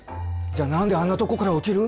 じゃあ何であんなとこから落ちる。